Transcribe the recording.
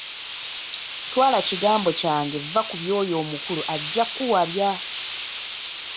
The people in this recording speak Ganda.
Twala kigambo kyange vva ku by'oyo omukulu ajja kuwabya.